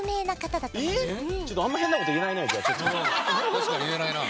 確かに言えないな。